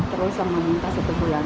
terus sama minta satu bulan